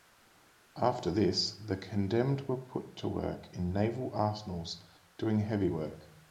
After this the condemned were put to work in naval arsenals doing heavy work.